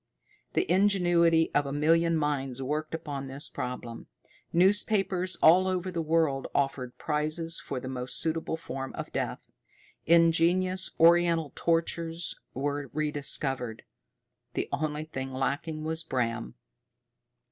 The ingenuity of a million minds worked upon this problem. Newspapers all over the world offered prizes for the most suitable form of death. Ingenious Oriental tortures were rediscovered. The only thing lacking was Bram.